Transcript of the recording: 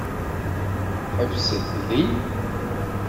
Ḥebset din.